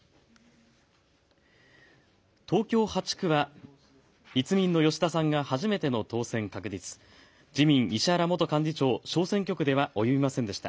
東京８区は、立民の吉田さんが初めての当選確実、自民、石原元幹事長、小選挙区では及びませんでした。